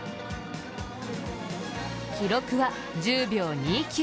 記録は１０秒２９。